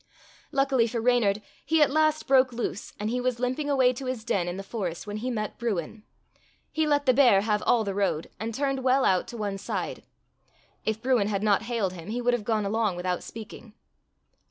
Luckily for Reynard, he at last broke loose, and he was limping away to his den in the forest when he met Bruin. He let the bear have all the road and turned well out to one side. If Bruin had not hailed him he would have gone along without speaking.